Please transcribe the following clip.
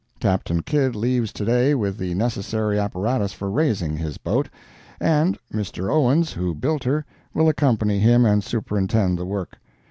Captain Kidd leaves to day with the necessary apparatus for raising his boat, and Mr. Owens, who built her, will accompany him and superintend the work.